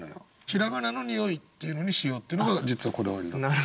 平仮名の「におい」っていうのにしようっていうのが実はこだわり。